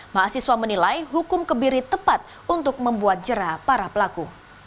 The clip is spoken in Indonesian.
mahasiswa menilai hukum kebiri tepat untuk membuat jerah para pelaku